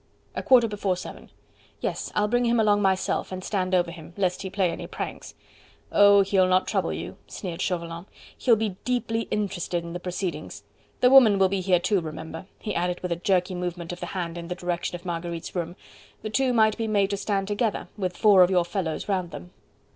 "A quarter before seven." "Yes. I'll bring him along myself, and stand over him, lest he play any pranks." "Oh! he'll not trouble you," sneered Chauvelin, "he'll be deeply interested in the proceedings. The woman will be here too, remember," he added with a jerky movement of the hand in the direction of Marguerite's room, "the two might be made to stand together, with four of your fellows round them."